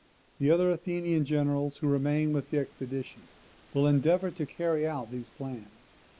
The other Athenian generals, who remain with the expedition, will endeavour to carry out these plans.